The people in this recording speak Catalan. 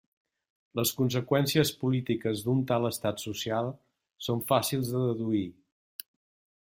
Les conseqüències polítiques d'un tal estat social són fàcils de deduir.